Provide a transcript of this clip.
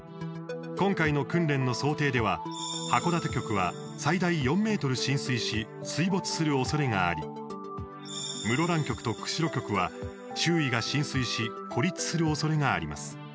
今回の訓練の想定では函館局は最大４ｍ浸水し水没するおそれがあり室蘭局と釧路局は、周囲が浸水し孤立するおそれがあります。